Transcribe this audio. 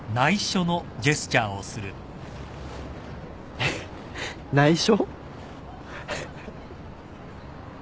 えっ内緒？